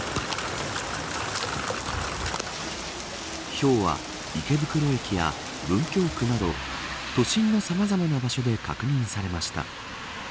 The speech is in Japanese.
ひょうは、池袋駅や文京区など都心のさまざまな場所で確認されました。